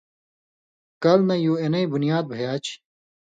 کلہۡ نہ یُو اېنَیں بنیاد بھیا چھی۔